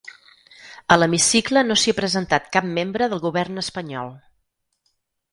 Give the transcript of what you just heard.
A l’hemicicle no s’hi ha presentat cap membre del govern espanyol.